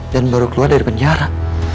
dan baru keluar dari penjara